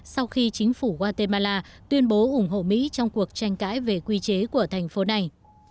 sau khi chính phủ guatemala tuyên bố ủng hộ mỹ trong cuộc tranh cãi về quy chế của thành phố này